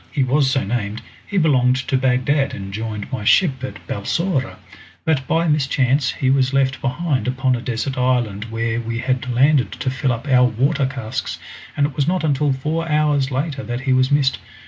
"He was so named. He belonged to Bagdad, and joined my ship at Balsora, but by mischance he was left behind upon a desert island where we had landed to fill up our water casks, and it was not until four hours later that he was missed.